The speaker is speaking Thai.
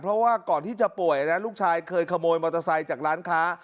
เพราะว่าก่อนที่จะป่วยนะลูกชายเคยขโมยมอเตอร์ไซค์จากร้านค้า